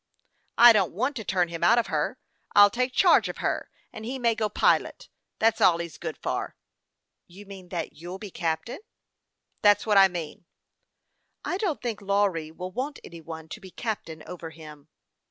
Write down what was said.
" I don't want to turn him out of her. I'll take charge of her, and he may go pilot ; that's all he's good for." ."You mean that you'll be captain?" " That's what I mean." " I don't think Lawry will want any one to be captain over him."